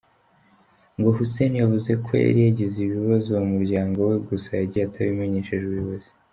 Ngo Hussein yavuze ko yari yagize ibibazo mu muryango we gusa yagiye atabimenyesheje ubuyobozi.